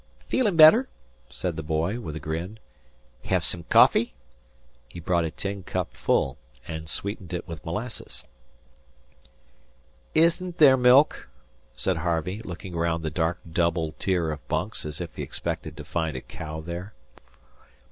"Feelin' better?" said the boy, with a grin. "Hev some coffee?" He brought a tin cup full and sweetened it with molasses. "Isn't there milk?" said Harvey, looking round the dark double tier of bunks as if he expected to find a cow there.